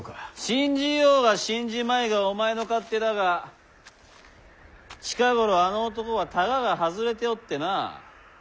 信じようが信じまいがお前の勝手だが近頃あの男はたがが外れておってな。